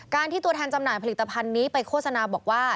ที่ตัวแทนจำหน่ายผลิตภัณฑ์นี้ไปโฆษณาบอกว่า